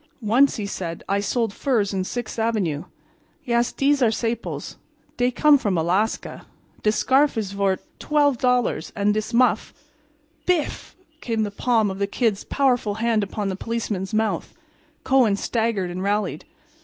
"Once," he said, "I sold furs in Sixth avenue. Yes, dese are saples. Dey come from Alaska. Dis scarf is vort $12 and dis muff—" "Biff!" came the palm of the Kid's powerful hand upon the policeman's mouth. Kohen staggered and rallied.